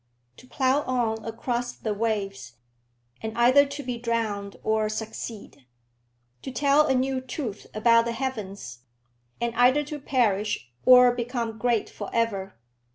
To plough on across the waves, and either to be drowned or succeed; to tell a new truth about the heavens, and either to perish or become great for ever!